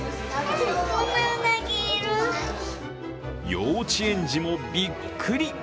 幼稚園児もびっくり。